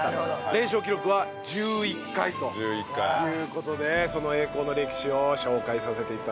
連勝記録は１１回という事でその栄光の歴史を紹介させて頂きます。